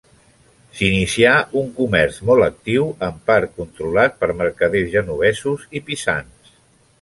S'inicià un comerç molt actiu, en part controlat per mercaders genovesos i pisans.